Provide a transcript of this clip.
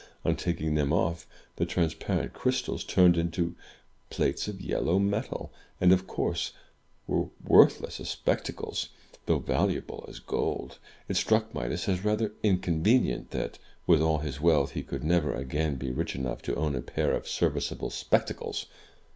On taking them off, the transparent crystals turned out to be plates of yellow metal, and of course, were worthless as spectacles, though valua ble as gold. It struck Midas as rather inconvenient that, with all his wealth, he could never again be rich enough to own a pair of serviceable spectacles.